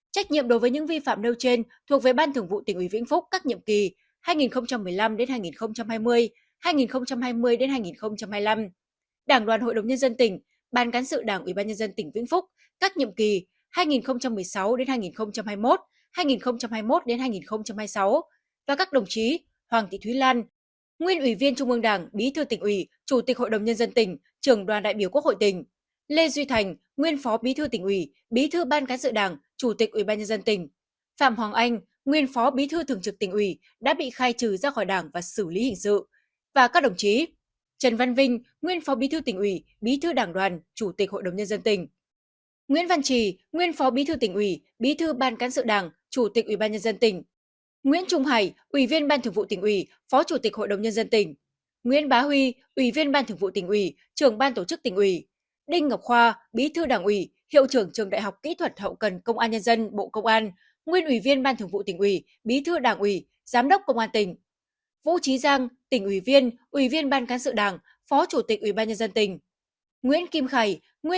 trách nhiệm đối với những vi phạm nêu trên thuộc về ban thưởng vụ tỉnh uy vĩnh phúc các nhiệm kỳ hai nghìn một mươi năm hai nghìn hai mươi hai nghìn hai mươi hai nghìn hai mươi năm đảng đoàn hội đồng nhân dân tỉnh ban cán sự đảng uy ban nhân dân tỉnh vĩnh phúc các nhiệm kỳ hai nghìn một mươi sáu hai nghìn hai mươi một